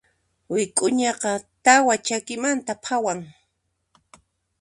Wik'uñaqa tawa chakimanta phawan.